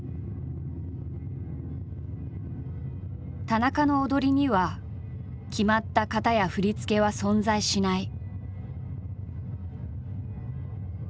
田中の踊りには決まった型や振り付けは存在しない。